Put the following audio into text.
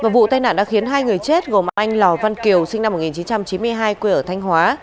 vụ tai nạn đã khiến hai người chết gồm anh lò văn kiều sinh năm một nghìn chín trăm chín mươi hai quê ở thanh hóa